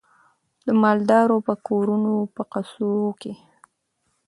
د مالدارو په کورونو په قصرو کي